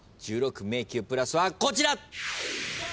１６迷宮プラスはこちら。